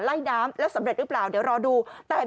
น้ำแล้วสำเร็จหรือเปล่าเดี๋ยวรอดูแต่